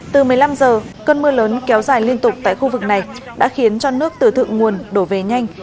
từ một mươi năm h cơn mưa lớn kéo dài liên tục tại khu vực này đã khiến cho nước từ thượng nguồn đổ về nhanh